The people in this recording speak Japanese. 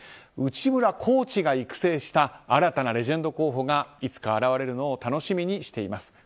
内村コーチが育成した新たなレジェンド候補がいつか現れるのを楽しみにしています。